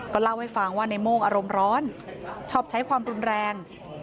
เล่าให้ฟังว่าในโม่งอารมณ์ร้อนชอบใช้ความรุนแรง